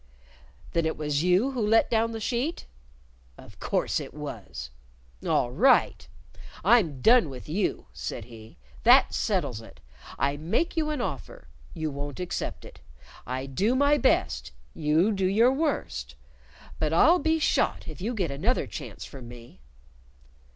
"Then it was you who let down the sheet?" "Of course it was." "All right! I'm done with you," said he; "that settles it. I make you an offer. You won't accept it. I do my best; you do your worst; but I'll be shot if you get another chance from me!"